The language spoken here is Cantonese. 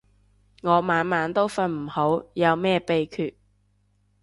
我晚晚都瞓唔好，有咩秘訣